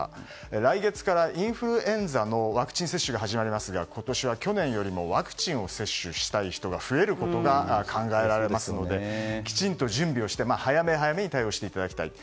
来月からインフルエンザのワクチン接種が始まりますが今年は去年よりもワクチンを接種したい人が増えることが考えられますのできちんと準備をして早め早めに対応していただきたいと。